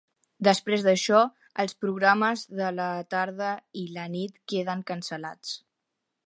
Després d'això, els programes de la tarda i la nit queden cancel·lats.